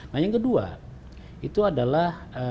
nah yang kedua itu adalah